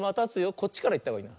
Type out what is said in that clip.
こっちからいったほうがいい。